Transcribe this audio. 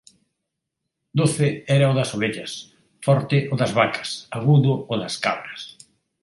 Doce era o das ovellas, forte o das vacas, agudo o das cabras.